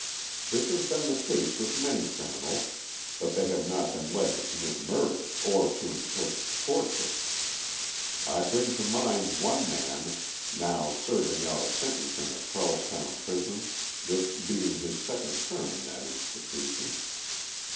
This has been the case with many criminals, but they have not been lead to commit mur der, or to inflict torture. I bring to mind one man, now serving out a sentence in the Charlestown prison, this being his second term in that institution.